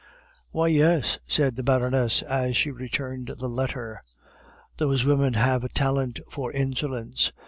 "Why, yes," said the Baroness as she returned the letter. "Those women have a talent for insolence.